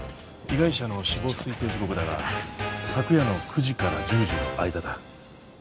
被害者の死亡推定時刻だが昨夜の９時から１０時の間だ。